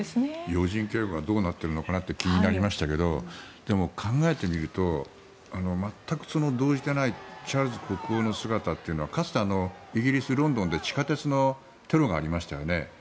要人警護がどうなっているのかなって気になりましたけどでも、考えてみると全く動じていないチャールズ国王の姿というのはかつてイギリス・ロンドンで地下鉄のテロがありましたよね。